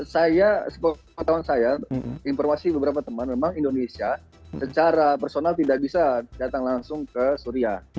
saya sepengetahuan saya informasi beberapa teman memang indonesia secara personal tidak bisa datang langsung ke suria